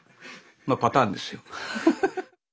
まあパターンですよ。